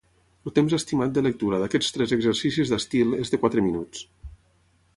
El temps estimat de lectura d'aquests tres exercicis d'estil és de quatre minuts.